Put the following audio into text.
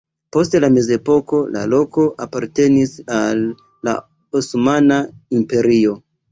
Post la mezepoko la loko apartenis al la Osmana Imperio.